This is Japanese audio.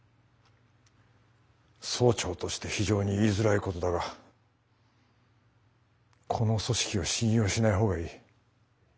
総長として非常に言いづらいことだがこの組織を信用しない方がいい。